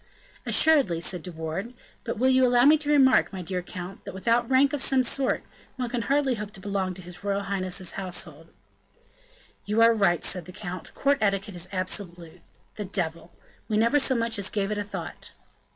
"Assuredly," said De Wardes; "but will you allow me to remark, my dear count, that, without rank of some sort, one can hardly hope to belong to his royal highness's household?" "You are right," said the count, "court etiquette is absolute. The devil! we never so much as gave it a thought."